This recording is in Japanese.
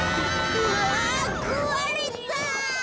うわくわれた！